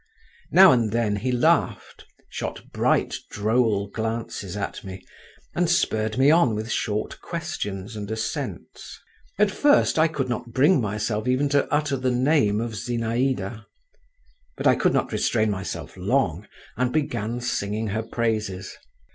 Now and then he laughed, shot bright, droll glances at me, and spurred me on with short questions and assents. At first I could not bring myself even to utter the name of Zinaïda, but I could not restrain myself long, and began singing her praises.